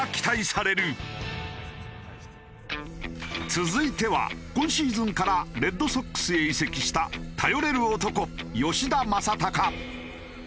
続いては今シーズンからレッドソックスへ移籍した落ちた！